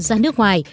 ra nước ngoài